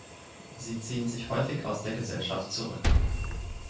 Sie ziehen sich häufig aus der Gesellschaft zurück.